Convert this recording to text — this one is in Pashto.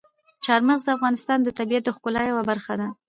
چار مغز د افغانستان د طبیعت د ښکلا یوه برخه ده.